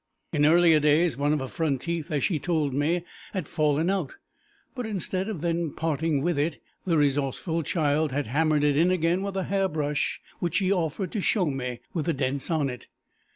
In earlier days one of her front teeth, as she told me, had fallen out, but instead of then parting with it, the resourceful child had hammered it in again with a hair brush, which she offered to show me, with the dents on it.